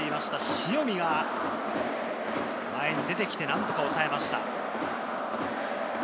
塩見が前に出てきて何とか抑えました。